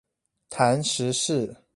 談時事